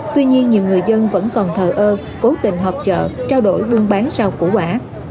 tuy nhiên nhiều người dân vẫn còn thờ ơ cố tình họp chợ trao đổi buôn bán rau củ quả